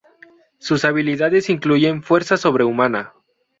Sus habilidades incluyen fuerza sobrehumana.